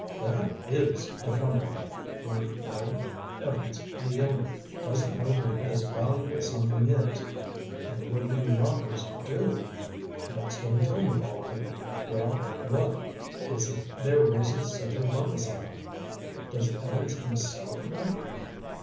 "That is a funny one," grunted Bill. "Evans, the owner, doesn't know where this valuable something is—and the would be robbers do!" "That's what he told me, all right." "Well, what is it that they're raising such a rumpus about? Does Evans himself know?"